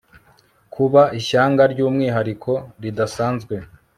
kuba ishyanga ry'umwihariko ridasanzwe